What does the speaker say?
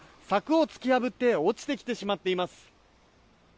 柵を突き破って落ちてきてしまっています。